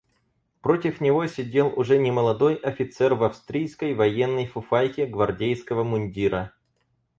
Против него сидел уже немолодой офицер в австрийской военной фуфайке гвардейского мундира.